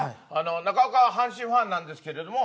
中岡は阪神ファンなんですけれども。